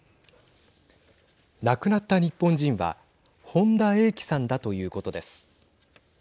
亡くなった日本人は本田英希さんだということです。